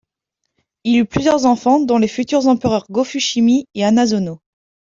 Il eut plusieurs enfants, dont les futurs empereurs Go-Fushimi et Hanazono.